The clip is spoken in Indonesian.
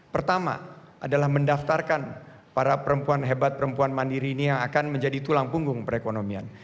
pertama adalah mendaftarkan para perempuan hebat perempuan mandiri ini yang akan menjadi tulang punggung perekonomian